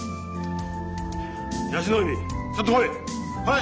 椰子の海ちょっと来い！